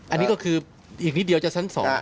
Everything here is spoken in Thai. อันนี้ก็คืออีกนิดเดียวจะชั้น๒